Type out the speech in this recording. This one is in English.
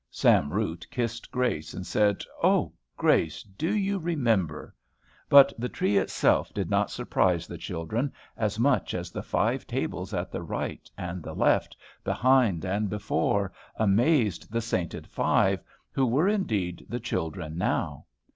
Sam Root kissed Grace, and said, "O Grace! do you remember?" But the tree itself did not surprise the children as much as the five tables at the right and the left, behind and before, amazed the Sainted Five, who were indeed the children now.